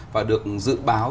và được dự báo